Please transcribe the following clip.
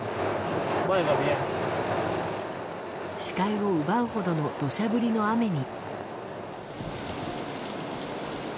視界を奪うほどの土砂降りの雨に。